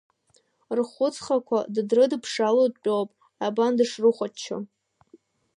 Рхәыцхақәа дрыдыԥшыло дтәоуп, абан дышрыхәаччо…